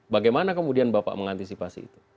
bagaimana kemudian bapak mengantisipasi itu